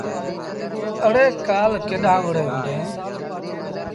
اَڙي ڪآل ڪيڏآن وُهڙيٚن هُݩديٚݩ۔